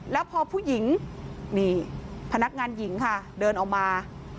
แล้วพอผู้หญิงนี่พนักงานหญิงค่ะเดินออกมา